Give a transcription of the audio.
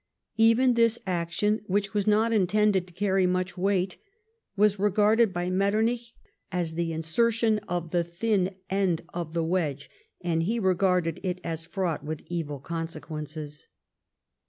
Even this action, which was not intended to carry much weight, was regarded by Metternlch as the insertion of the thin end of the wedge, and he regarded it as fraught with evil consequences.